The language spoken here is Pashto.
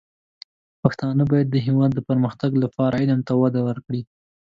پښتانه بايد د هېواد د پرمختګ لپاره علم ته وده ورکړي.